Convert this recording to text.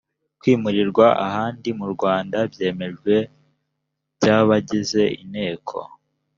kwimurirwa ahandi mu rwanda byemejwe na by abagize inteko